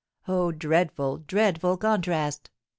Oh, dreadful, dreadful contrast!"